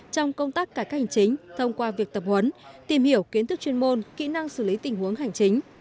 trong công tác cải cách hành chính thông qua việc tập huấn tìm hiểu kiến thức chuyên môn kỹ năng xử lý tình huống hành chính